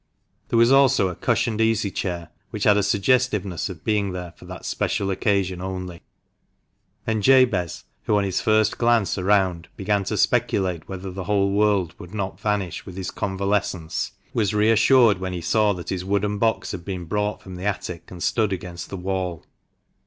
There was also a cushioned easy chair, which had a suggestiveness of being there for that special occasion only; and Jabez, who, on his first glance around, began to speculate whether the whole would not vanish with his convalescence, was reassured when he saw that his wooden box had been brought from the attic and stood against the wall.